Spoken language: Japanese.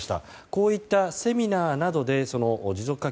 こういったセミナーなどで持続化